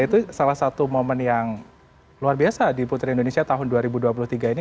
itu salah satu momen yang luar biasa di putri indonesia tahun dua ribu dua puluh tiga ini